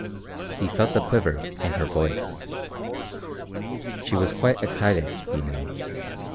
He felt the quiver in her voice. She was quite excited, he knew.